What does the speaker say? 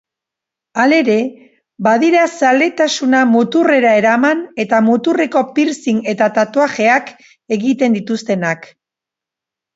Halere, badira zaletasuna muturrera eraman eta muturreko piercing eta tatuajeak egiten dituztenak.